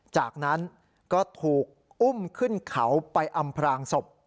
จากนั้นก็ถูกอุ้มขึ้นเขาไปอำพรางศพ